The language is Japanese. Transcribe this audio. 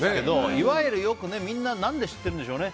いわゆるよく、みんな何で知ってるんでしょうかね。